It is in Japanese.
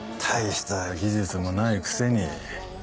大した技術もないくせに。